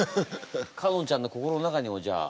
かのんちゃんの心の中にもじゃあ。